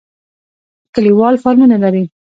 کلیوال فارمونه لري.